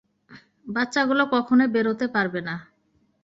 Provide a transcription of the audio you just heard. বাচ্চাগুলো কখনোই বেরাতে পারবে না।